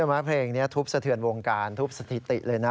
ใช่ไหมเพลงนี้ทุบเสทือนวงการทุบสถิติเลยนะ